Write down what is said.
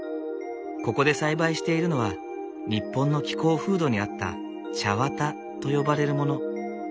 ここで栽培しているのは日本の気候風土に合った茶綿と呼ばれるもの。